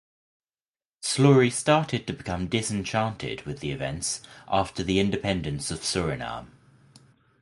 Slory started to become disenchanted with the events after the independence of Suriname.